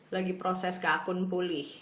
lagi proses ke akun kulih